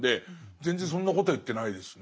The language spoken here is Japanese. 全然そんなことは言ってないですね。